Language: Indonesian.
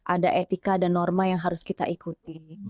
ada etika dan norma yang harus kita ikuti